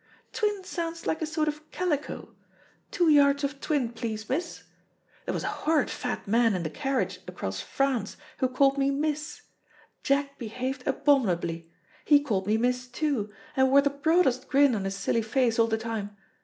Twin sounds like a sort of calico. Two yards of twin, please, miss. There was a horrid fat man in the carriage across France, who called me miss. Jack behaved abominably. He called me miss, too, and wore the broadest grin on his silly face all the time.